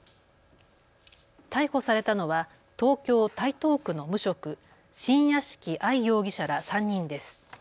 逮捕されたのは東京台東区の無職、新屋敷愛容疑者ら３人です。